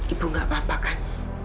ibu gak apa apa kan